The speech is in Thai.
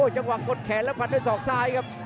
จังหวังกดแขนลมถันด้วยสองซ้ายครับ